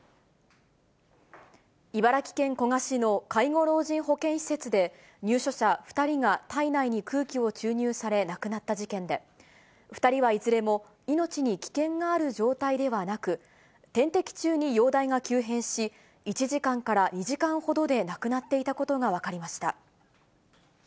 茨城県古河市の介護老人保健施設で、入所者２人が体内に空気を注入され亡くなった事件で、２人はいずれも命に危険のある状態ではなく、点滴中に容体が急変し、１時間から２時間ほどで亡くなっていたことが分かりました。